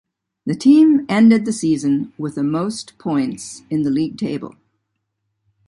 The team ended the season with the most points in the league table.